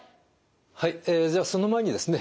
はいじゃあその前にですね